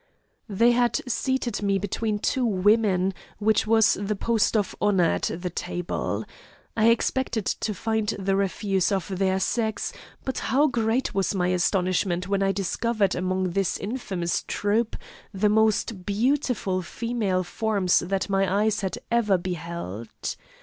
"They had seated me between two women, which was the post of honour at the table. I expected to find the refuse of their sex, but how great was my astonishment when I discovered among this infamous troop the most beautiful female forms that my eyes had ever beheld.